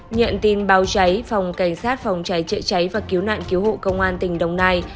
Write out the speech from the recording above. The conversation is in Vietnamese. nhận tin báo cháy phòng cảnh sát phòng cháy chữa cháy và cứu nạn cứu hộ công an tỉnh đồng nai